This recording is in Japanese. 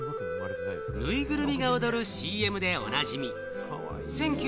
ぬいぐるみが踊るＣＭでおなじみ。